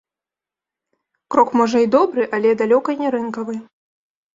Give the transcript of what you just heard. Крок, можа, і добры, але далёка не рынкавы.